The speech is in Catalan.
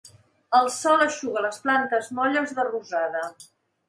El sol eixuga les plantes molles de rosada.